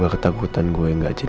ibu kita usg dulu ya